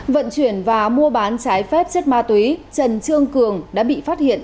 vận chuyển và mua bán trái phép chất ma túy trần trương cường đã bị phát hiện